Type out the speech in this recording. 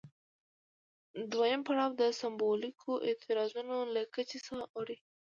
دویم پړاو د سمبولیکو اعتراضونو له کچې څخه اوړي.